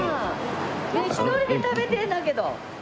１人で食べてるんだけど。